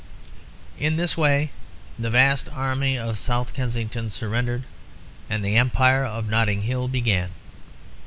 In this way the vast army of South Kensington surrendered and the Empire of Notting Hill began.